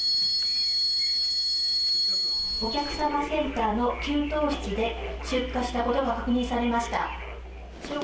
お客様センターの給湯室で出火したことが確認されました。